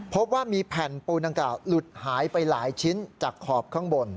พบว่ามีแผ่นปูนดังกล่าวหลุดหายไปหลายชิ้นจากขอบข้างบน